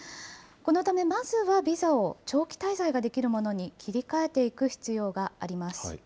このため、まずはビザを長期滞在ができるものに切り替えていく必要があります。